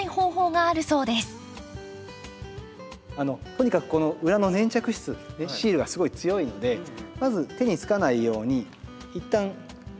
とにかくこの裏の粘着質シールがすごい強いのでまず手につかないように一旦手をぬらします。